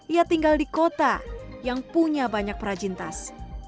ia tinggal di kota yang punya banyak perajin tas